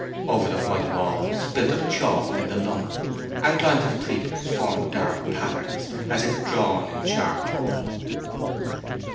Over the white walls, built of chalk in the lump, outlines of creepers formed dark patterns, as if drawn in charcoal.